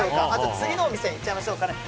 次のお店行っちゃいましょうかね。